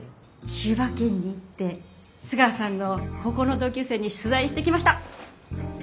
千葉県に行って須川さんの高校の同級生に取材してきました。